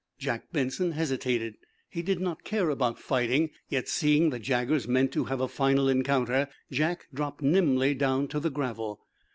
Jack Benson hesitated. He did not care about fighting. Yet, seeing that Jaggers meant to have a final encounter, Jack dropped nimbly down to the gravel.